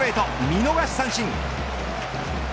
見逃し三振。